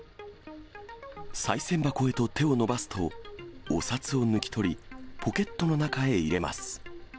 さい銭箱へと手を伸ばすと、お札を抜き取り、ポケットの中へ入れます。